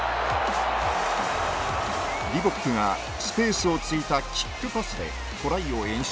リボックがスペースをついたキックパスでトライを演出